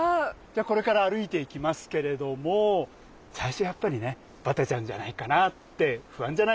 じゃこれから歩いていきますけれども最初やっぱりねバテちゃうんじゃないかなって不安じゃないかなと思います。